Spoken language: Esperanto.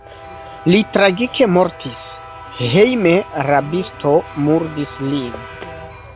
Li tragike mortis: hejme rabisto murdis lin.